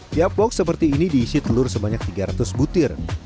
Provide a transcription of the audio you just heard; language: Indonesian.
tiap box seperti ini diisi telur sebanyak tiga ratus butir